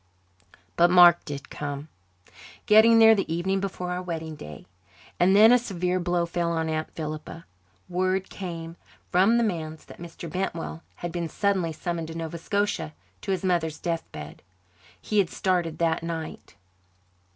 But Mark did come, getting there the evening before our wedding day. And then a severe blow fell on Aunt Philippa. Word came from the manse that Mr. Bentwell had been suddenly summoned to Nova Scotia to his mother's deathbed; he had started that night.